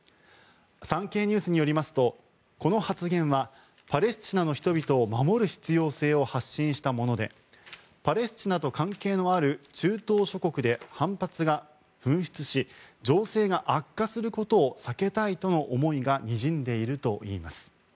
産経ニュースによりますとこの発言はパレスチナの人々を守る必要性を発信したものでパレスチナと関係のある中東諸国で反発が噴出し情勢が悪化することを避けたいとの思いがにじんでいるといいます。